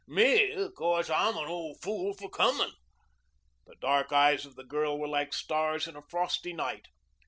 Me, o' course, I'm an old fool for comin' " The dark eyes of the girl were like stars in a frosty night.